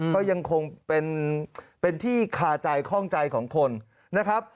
ก็ยังคงเป็นที่คาใจข้องใจของคนนะครับ